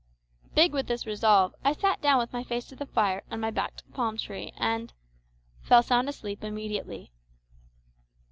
Big with this resolve, I sat down with my face to the fire and my back to the palm tree, and fell sound asleep instantly!